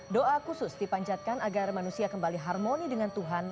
doa khusus dipanjatkan agar manusia kembali harmoni dengan tuhan